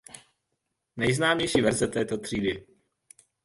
Nejznámější verze této třídy.